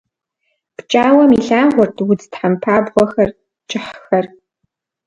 Пкӏауэм илъагъурт удз тхьэмпабгъуэхэр, кӏыхьхэр.